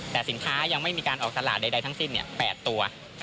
แต่สินค้ายังไม่มีการออกตลาดใดทั้งสิ้น๘ตัว